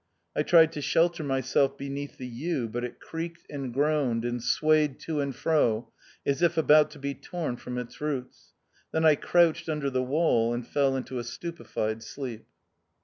I tried to shelter myself beneath the yew, but it creaked, and groaned, and swayed to and fro, as if about to be torn from its roots. Then I crouched under the wall, and fell into a stupefied sleep.